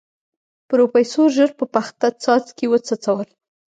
پروفيسر ژر په پخته څاڅکي وڅڅول.